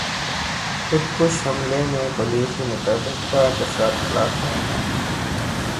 خودکش حملے میں پولیس کے مطابق پانچ افراد ہلاک ہوئے ہیں